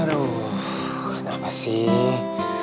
waduh kenapa sih